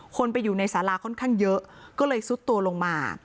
คนไปอยู่ในสาราค่อนข้างเยอะก็เลยซุดตัวลงมา